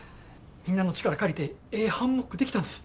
みんなの力借りてええハンモック出来たんです。